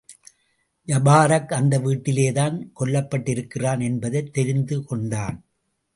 ஜபாரக் அந்த வீட்டிலேதான் கொல்லப்பட்டிருக்கிறான் என்பதைத் தெரிந்து கொண்டான்.